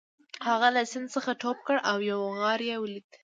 هغه له سیند څخه ټوپ کړ او یو غار یې ولید